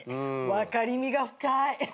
わかりみが深い。